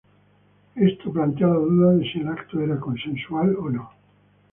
Esto plantea la duda de si el acto era consensual o no.